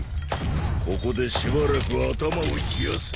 ここでしばらく頭を冷やせ。